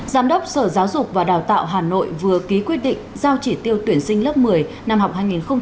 giám đốc sở giáo dục và đào tạo hà nội vừa ký quyết định giao chỉ tiêu tuyển sinh lớp một mươi năm học hai nghìn hai mươi hai nghìn hai mươi